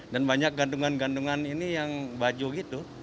dan banyak gantungan gantungan ini yang baju gitu